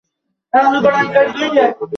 দর্শক সহজেই গল্পে ঢুকে যেতে পারবেন।